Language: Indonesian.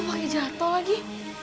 pake jatoh lagi